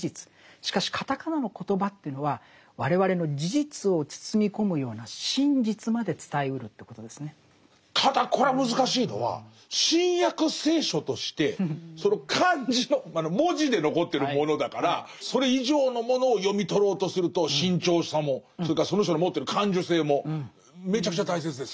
しかしカタカナのコトバというのはただこれは難しいのは「新約聖書」としてその漢字の文字で残ってるものだからそれ以上のものを読み取ろうとすると慎重さもそれからその人の持ってる感受性もめちゃくちゃ大切ですね。